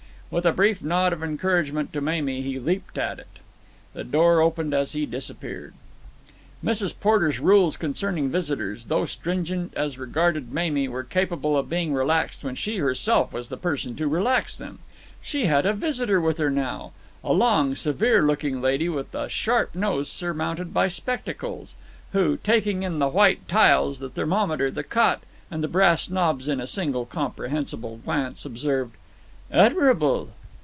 With a brief nod of encouragement to Mamie, he leaped at it. The door opened as he disappeared. Mrs. Porter's rules concerning visitors, though stringent as regarded Mamie, were capable of being relaxed when she herself was the person to relax them. She had a visitor with her now—a long, severe looking lady with a sharp nose surmounted by spectacles, who, taking in the white tiles, the thermometer, the cot, and the brass knobs in a single comprehensive glance, observed: "Admirable!"